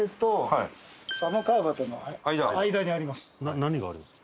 何があるんですか？